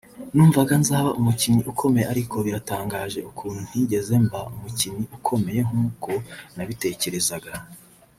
numvaga nzaba nk’umukinnyi ukomeye ariko biratangaje ukuntu ntigeze mba umukinnyi ukomeye nk’uko nabitekerezaga